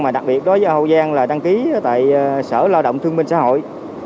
mà đặc biệt đối với hậu giang là đăng ký tại sở lao động thương minh xã hội